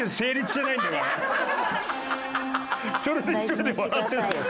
それで１人で笑ってんだもん。